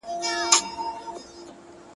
هم پردی سي له خپلوانو هم له ځانه -